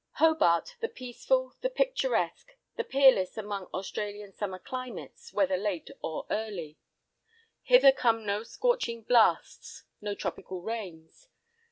Hobart—the peaceful, the picturesque, the peerless among Australian summer climates, whether late or early. Hither come no scorching blasts, no tropical rains.